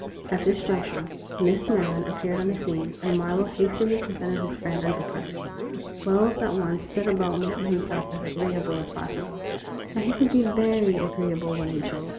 183 At this juncture, Miss Maryland appeared on the scene, and Marlowe hastily presented his friend and departed. Wells at once set about making himself as agree able as possible, and he could be very agreeable when he chose.